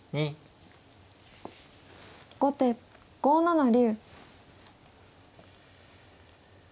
後手５七竜。